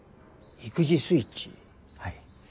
はい。